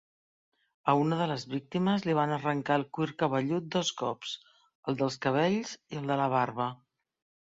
A una de les víctimes li van arrencar el cuir cabellut dos cops, el dels cabells i el de la barba.